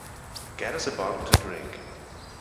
Get us a bottle to drink.